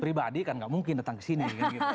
pribadi kan gak mungkin datang kesini